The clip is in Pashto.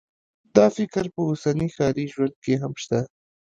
دا فکر په اوسني ښاري ژوند کې هم شته